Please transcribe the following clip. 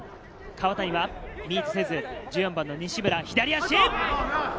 川谷はミートせず、１４番の西村、左足！